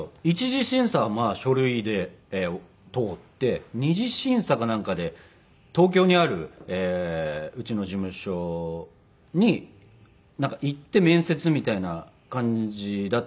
１次審査は書類で通って２次審査かなんかで東京にあるうちの事務所に行って面接みたいな感じだったんですけれど。